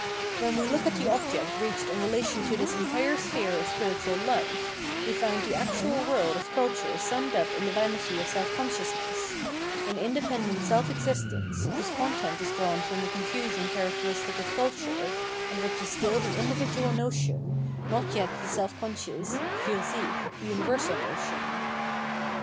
When we look at the object reached in relation to this entire sphere of spiritual hfe, we found the actual world of culture summed up in the vanity of self consciousness — in independent self existence, whose content is drawn from the confusion characteristic of culture, and which is still the individual notion, not yet the seh conscious (fiir sick) universal notion.